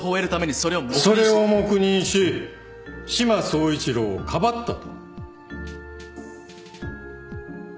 それを黙認し志摩総一郎をかばったと。